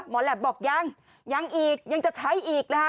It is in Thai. แหลปบอกยังยังอีกยังจะใช้อีกนะคะ